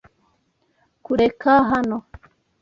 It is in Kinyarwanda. Kureka hano.